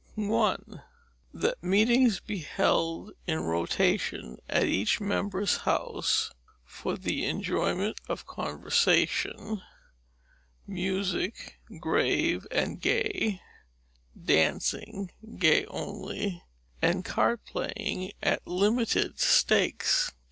RULE I. That meetings be held in rotation at each member's house, for the enjoyment of conversation; music, grave and gay; dancing, gay only; and card playing at limited stakes.